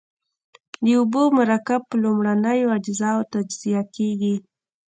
د اوبو مرکب په لومړنیو اجزاوو تجزیه کیږي.